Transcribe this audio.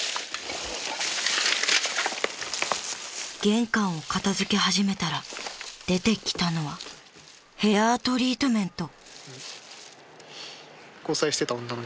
［玄関を片付け始めたら出てきたのはヘアトリートメント］